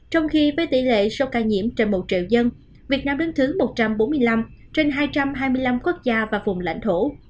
trong khi với tỷ lệ số ca nhiễm trên một triệu dân việt nam đứng thứ một trăm bốn mươi năm trên hai trăm hai mươi năm quốc gia và vùng lãnh thổ